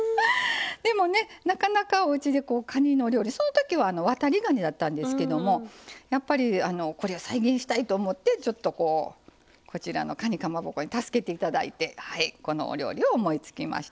でもねなかなかおうちでかにのお料理そのときはわたりがにだったんですけどもこれを再現したいと思ってこちらのかにかまぼこに助けていただいてこのお料理を思いつきましたよ。